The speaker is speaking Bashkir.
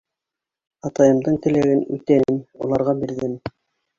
Атайымдың теләген үтәнем - уларға бирҙем.